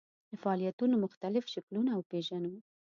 د فعالیتونو مختلف شکلونه وپېژنو.